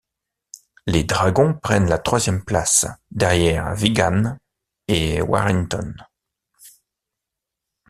Les Dragons prennent la troisième place derrière Wigan et Warrington.